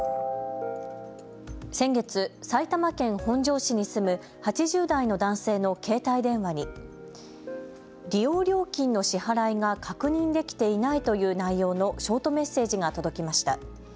先月、埼玉県本庄市に住む８０代の男性の携帯電話に利用料金の支払いが確認できていないという内容のショートメッセージが届きました。